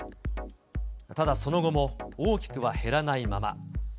ただ、その後も大きくは減らないまま。